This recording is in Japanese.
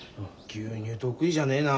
牛乳得意じゃねえな。